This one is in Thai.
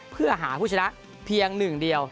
เพื่อหาผู้ชนะเพียง๑เดียว